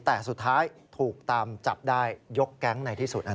แต่สุดท้ายถูกตามจับได้ยกแก๊งในที่สุด